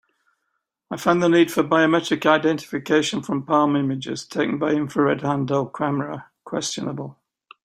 I find the need for biometric identification from palm images taken by infrared handheld camera questionable.